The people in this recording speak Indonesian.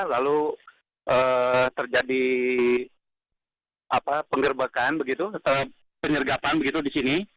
lalu terjadi penggerbekan begitu penyergapan begitu di sini